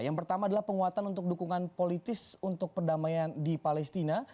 yang pertama adalah penguatan untuk dukungan politis untuk perdamaian di palestina